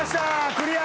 クリア。